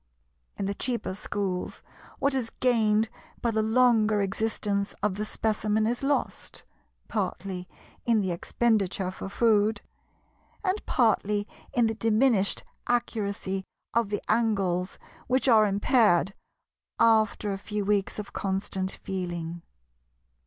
In the cheaper schools, what is gained by the longer existence of the Specimen is lost, partly in the expenditure for food, and partly in the diminished accuracy of the angles, which are impaired after a few weeks of constant "feeling."